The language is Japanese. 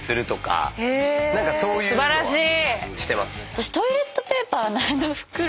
私。